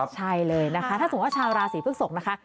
ใช่เลยนะคะถ้าสมมุติว่าชาวราศีพฤกษกนะคะ